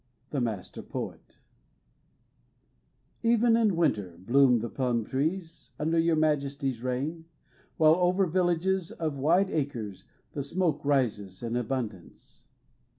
The Master poet Even in winter Bloom the plum trees Under your Majesty's reign While over villages of wide acres The smoke rises in abundance.